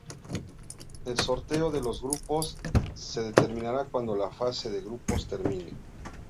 El sorteo de los grupos se determinará cuando la fase de grupos termine.